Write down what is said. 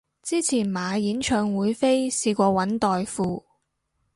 之前買演唱會飛試過搵代付